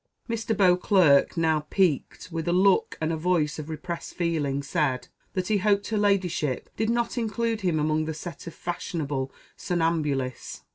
Mr. Beauclerc, now piqued, with a look and voice of repressed feeling, said, that he hoped her ladyship did not include him among that set of fashionable somnambulists.